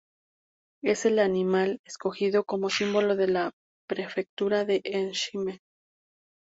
Es el animal escogido como símbolo de la prefectura de Ehime.